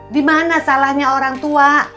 dimana salahnya orang tua